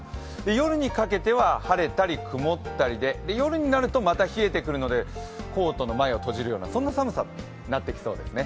夜にかけては、晴れたり曇ったりで夜になるとまた冷えてくるので、コートの前を閉じるような、そんな寒さになってきそうですね。